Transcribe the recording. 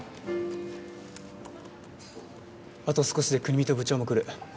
あと少しで国見と部長も来る。